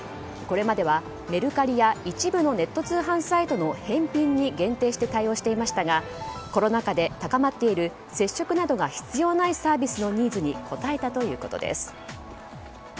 これまではメルカリや一部のネット通販サイトの返品に限定して対応していましたがコロナ禍で高まっている接触などが必要ないサービスのニーズに応えたということです。